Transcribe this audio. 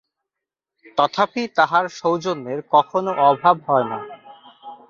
তথাপি তাঁহার সৌজন্যের কখনও অভাব হয় না।